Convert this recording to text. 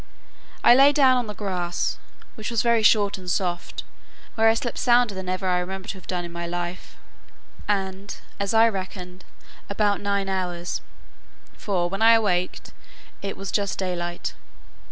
I lay down on the grass, which was very short and soft, where I slept sounder than ever I remembered to have done in my life, and, as I reckoned, about nine hours; for when I awaked, it was just day light.